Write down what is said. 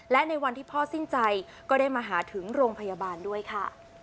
และในวันที่พ่อสิ้นใจก็ได้มาหาถึงโรงพยาบาลด้วยค่ะ